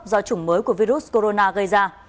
do chủng mới của virus corona gây ra